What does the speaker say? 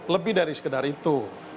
lebih dari sekedar itu